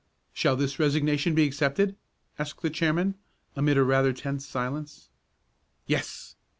"Shall this resignation be accepted?" asked the chairman, amid a rather tense silence. "Yes!"